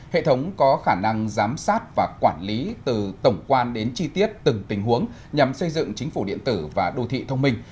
hệ thống có khả năng giám sát và quản lý từ tổng quan đến chi tiết từng tình huống nhằm xây dựng chính phủ điện tử và đô thị thông minh